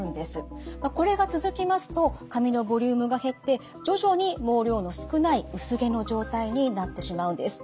これが続きますと髪のボリュームが減って徐々に毛量の少ない薄毛の状態になってしまうんです。